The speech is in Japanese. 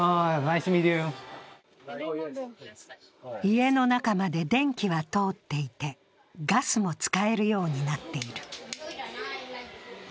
家の中まで電気は通っていて、ガスも使えるようになっている。